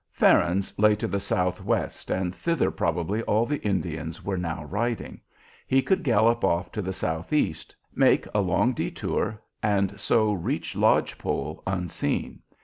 Farron's lay to the southwest, and thither probably all the Indians were now riding. He could gallop off to the southeast, make a long détour, and so reach Lodge Pole unseen.